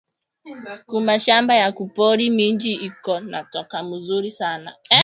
Ku mashamba ya ku pori, minji iko na toka muzuri sana